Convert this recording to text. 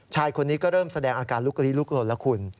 ชายคนนี้ก็เริ่มแสดงอาการลุกลี้ลุกลนแล้วคุณ